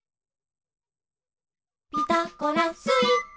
「ピタゴラスイッチ」